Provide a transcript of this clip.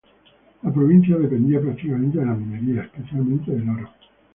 La provincia dependía, prácticamente, de la minería, especialmente del oro.